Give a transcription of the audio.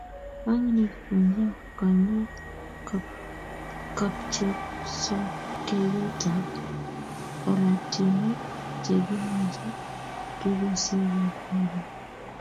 Ongni Kifuja kanyo kapchepsokeyotab oratinwek chekimuche tugosiekab walet